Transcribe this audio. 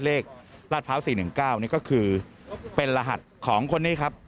เลขราชเผาส์๔๑๙นี่ก็คือเป็นรหัสของคนนี้ครับ